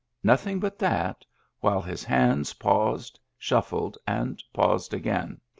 Nothing but that, while his hands paused, shuffled, and paused again.